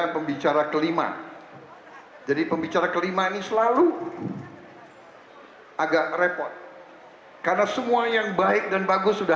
pembicara kelima jadi pembicara kelima ini selalu agak repot karena semua yang baik dan bagus sudah